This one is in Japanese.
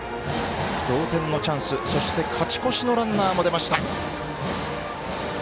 同点のチャンス、そして勝ち越しのランナーも出ました。